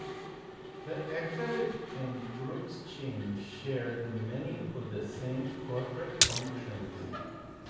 The Eckerd and Brooks chains shared many of the same corporate functions.